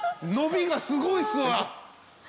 伸びがすごいっすわ。